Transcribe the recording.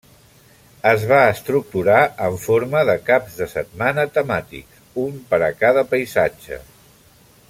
Es va estructurar en forma de caps de setmana temàtics, un per a cada paisatge.